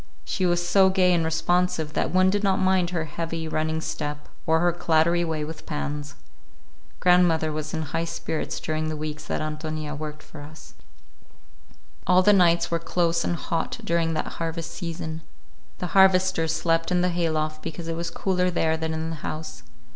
She was so gay and responsive that one did not mind her heavy, running step, or her clattery way with pans. Grandmother was in high spirits during the weeks that Ántonia worked for us. [Illustration: Jim and Ántonia in the garden] All the nights were close and hot during that harvest season. The harvesters slept in the hayloft because it was cooler there than in the house.